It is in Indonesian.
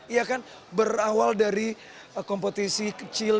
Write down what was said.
iya kan berawal dari kompetisi kecil